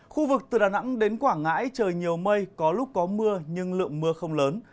khu vực từ đà nẵng đến quảng ngãi trời nhiều mây có lúc có mưa nhưng lượng mưa không lớn